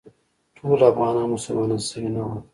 ټول افغانان مسلمانان شوي نه ول.